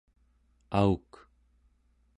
auk